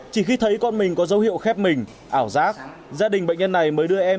chỉ khi thấy con mình có dấu hiệu khép mình ảo giác gia đình bệnh nhân này mới đưa em